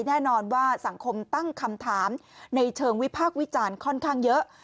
แน่นอนว่าสังคมตั้งคำถามในเชิงวิพากษ์วิจารณ์ค่อนข้างเยอะ